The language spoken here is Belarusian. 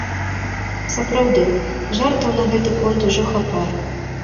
Сапраўды, жартаў на гэты конт ужо хапае.